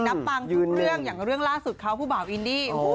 ปังทุกเรื่องอย่างเรื่องล่าสุดเขาผู้บ่าวอินดี้